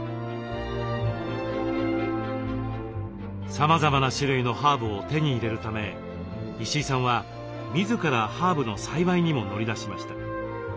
さまざまな種類のハーブを手に入れるため石井さんは自らハーブの栽培にも乗り出しました。